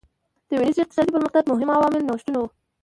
د وینز اقتصادي پرمختګ مهم عامل نوښتونه وو